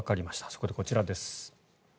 そこでこちらです。